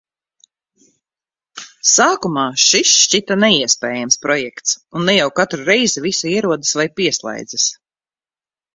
Sākumā šis šķita neiespējams projekts, un ne jau katru reizi visi ierodas vai pieslēdzas.